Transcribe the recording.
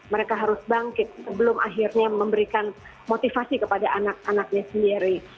mereka harus bangkit sebelum akhirnya memberikan motivasi kepada anak anaknya sendiri